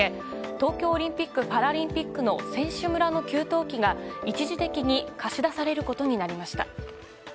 東京オリンピック・パラリンピックの選手村の給湯器が一時的に貸し出されることになりました。